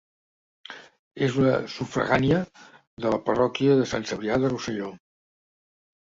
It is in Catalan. És una sufragània de la parròquia de Sant Cebrià de Rosselló.